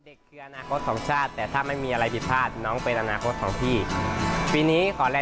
มันคุณคนนี้ถึงไม่มีลุงแต่ก็ยังมีเรานะคะ